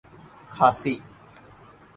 کھاسی